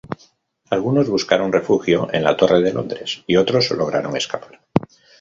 Algunos buscaron refugio en la Torre de Londres y otros lograron escapar.